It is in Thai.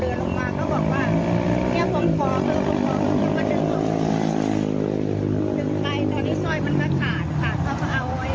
เอาแวง๕๐ไปอีกไปอีกป้าค่ะยกมือไหว้เขาเนอะบอกว่าอย่าเอาของป้าไปเลย